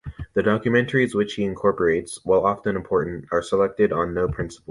The documents which he incorporates, while often important, are selected on no principle.